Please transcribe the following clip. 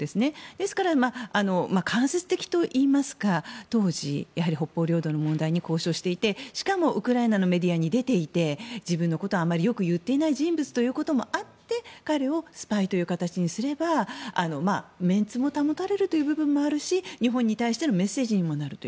ですから、間接的といいますか当時、北方領土の問題交渉していてしかも、ウクライナのメディアに出ていて自分のことをあまりよく言っていない人物ということもあって彼をスパイという形にすればメンツも保たれるという部分もあるし日本に対してのメッセージにもなると。